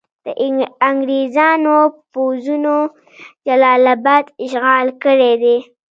د انګریزانو پوځونو جلال اباد اشغال کړی دی.